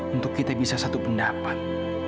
untuk kita bisa satu pendapat